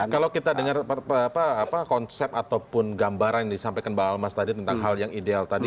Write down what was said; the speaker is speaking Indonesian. kalau kita dengar konsep ataupun gambaran yang disampaikan mbak almas tadi tentang hal yang ideal tadi